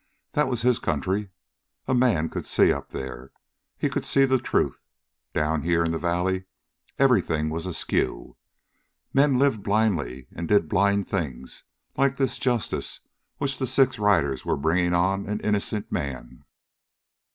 That was his country. A man could see up there, and he could see the truth. Down here in the valley everything was askew. Men lived blindly and did blind things, like this "justice" which the six riders were bringing on an innocent man.